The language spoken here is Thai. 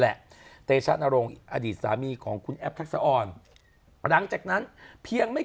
แหละเตชะนรงค์อดีตสามีของคุณแอปทักษะอ่อนหลังจากนั้นเพียงไม่